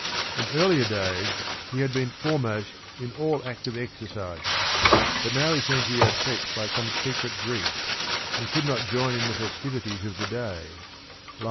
In earlier days he had been foremost in all active exercises, but now he seemed to be oppressed by some secret grief, and could not join in the festivities of the day (393).